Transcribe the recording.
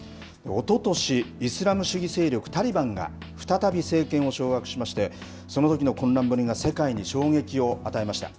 おととし、イスラム主義勢力タリバンが再び政権を掌握しまして、そのときの混乱ぶりが世界に衝撃を与えました。